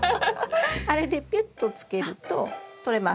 あれでピュッとつけるととれます。